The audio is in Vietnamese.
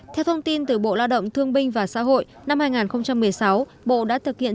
theo thông tin từ bộ lao động thương binh và xã hội năm hai nghìn một mươi sáu bộ đã thực hiện